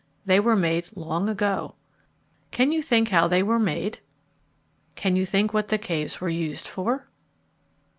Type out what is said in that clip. They were made long ago. Can you think how they were made? Can you think what the caves were used for?